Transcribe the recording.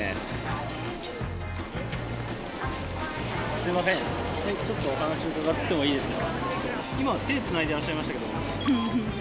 すみません、ちょっとお話を伺ってもいいですか？